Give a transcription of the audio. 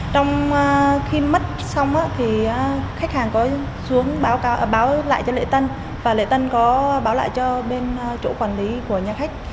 trong khi mất xong thì khách hàng có xuống báo lại cho lễ tân và lễ tân có báo lại cho bên chủ quản lý của nhà khách